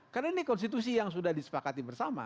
karena ini konstitusi yang sudah disepakati bersama